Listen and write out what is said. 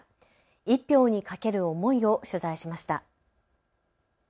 １票にかける思いを取材しました。